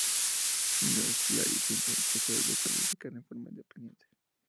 Una "slice" siempre se puede decodificar de forma independiente.